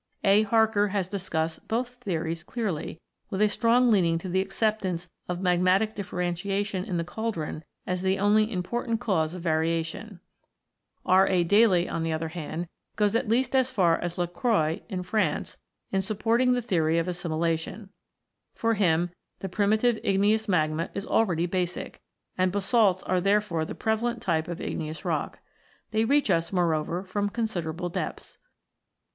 A. Harker(so) has discussed both theories clearly, with a strong leaning to the acceptance of magmatic differen tiation in the cauldron as the only important cause of variation. R. A. Daly, on the other hand, goes at v] IGNEOUS ROCKS 129 least as far as Lacroix in France in supporting the theory of assimilation. For him, the primitive igneous magma is already basic, and basalts are therefore the prevalent type of igneous rock. They reach us, moreover, from considerable depths.